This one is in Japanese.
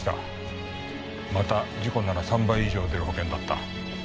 また事故なら３倍以上出る保険だった。